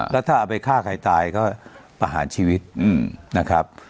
แล้วถ้าเอาไปฆ่าใครตายก็ประหารชีวิตนะครับ